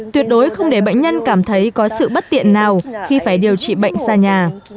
tuyệt đối không để bệnh nhân cảm thấy có sự bất tiện nào khi phải điều trị bệnh xa nhà